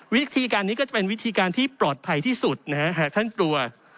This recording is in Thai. วิธีการนี้ก็จะเป็นวิธีการที่ปลอดภัยที่สุดนะฮะหากท่านกลัว